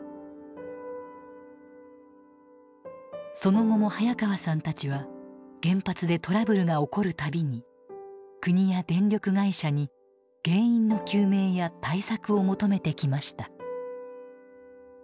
その後も早川さんたちは原発でトラブルが起こる度に国や電力会社に原因の究明や対策を求めてきました。